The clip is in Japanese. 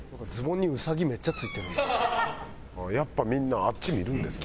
やっぱみんなあっち見るんですね。